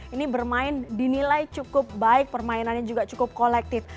ini bermain dinilai cukup baik permainannya juga cukup kolektif